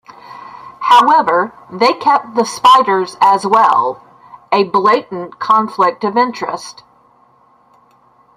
However, they kept the Spiders as well-a blatant conflict of interest.